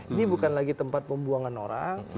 ini bukan lagi tempat pembuangan orang